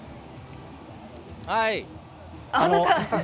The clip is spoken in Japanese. はい。